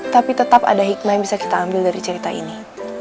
tapi tetap ada hikmah yang bisa kita ambil dari cerita ini